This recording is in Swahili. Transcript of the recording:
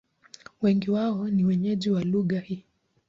Wengi wao ni wenyeji wa lugha hii.